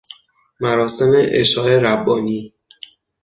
مراسم عشاء ربانی